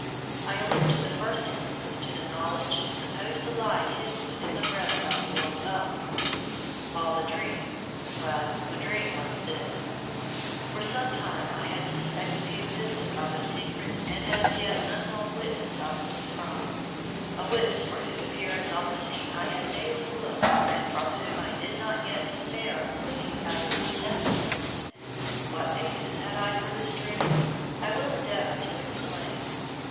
I allude in the first instance to the knowledge supposed to lie hidden within the breast of the old butler; while the dream well, the dream was this: For some time I had suspected the existence of a secret and as yet unknown witness of this crime, a witness for whose appearance on the scene I had daily looked, and from whom I did not yet despair of gleaning valuable testimony. What basis had I for this dream? I will endeavour to explain.